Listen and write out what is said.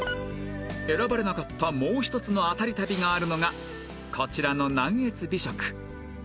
選ばれなかったもう一つのアタリ旅があるのがこちらの南粤美食